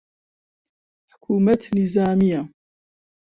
حکوومەت نیزامییە